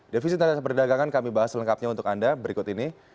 defisit neraca perdagangan kami bahas lengkapnya untuk anda berikut ini